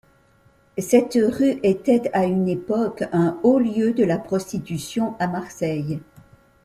Cette rue était à une époque un haut lieu de la prostitution à Marseille.